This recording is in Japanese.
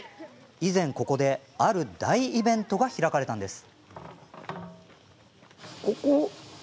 以前、ここである大イベントが開かれたんです。